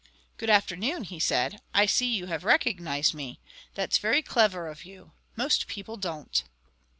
"Good afternoon," he said. "I see you have recognized me. That's very clever of you. Most people don't."